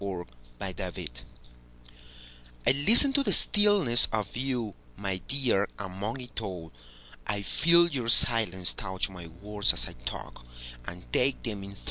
Listening I LISTEN to the stillness of you, My dear, among it all;I feel your silence touch my words as I talk, And take them in thrall.